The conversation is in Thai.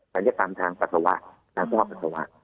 มันจะตามทางปัสสาวะทางกระเพาะปัสสาวะ